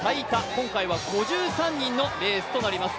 今回は５３人のレースとなります。